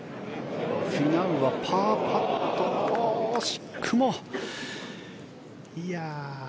フィナウのパーパットは惜しくも。